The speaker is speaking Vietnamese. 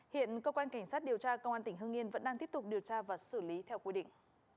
hiện cơ quan cảnh sát điều tra công an tỉnh hương yên vẫn đang tiếp tục điều tra và xử lý theo quy định